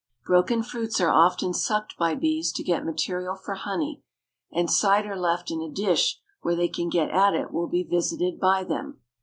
Broken fruits are often sucked by bees to get material for honey, and cider left in a dish where they can get at it will be visited by them.